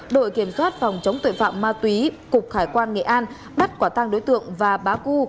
đội kiểm soát phòng chống tuệ phạm ma túy cục khải quan nghệ an bắt quả tăng đối tượng và bá cưu